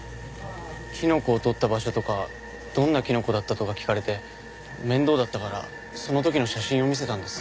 キノコを採った場所とかどんなキノコだったとか聞かれて面倒だったからその時の写真を見せたんです。